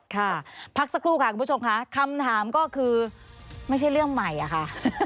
ค่ะพักสักครู่ค่ะคุณผู้ชมค่ะคำถามก็คือไม่ใช่เรื่องใหม่อะค่ะ